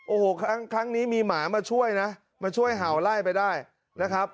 โอ้โหครั้งนี้มีหมามาช่วยนะมาช่วยเห่าไล่ไปได้นะครับ